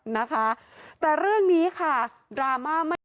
นะคะแต่เรื่องนี้ค่ะดราม่าไม่